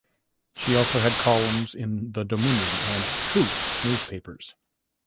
She also had columns in "The Dominion" and "Truth" newspapers.